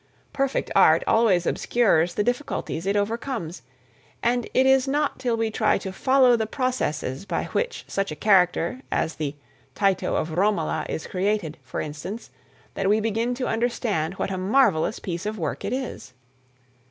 Perfect art always obscures the difficulties it overcomes; and it is not till we try to follow the processes by which such a character as the Tito of Romola is created, for instance, that we begin to understand what a marvellous piece of work it is.